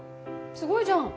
すごいじゃん。